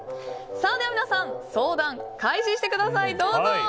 では、皆さん相談開始してください。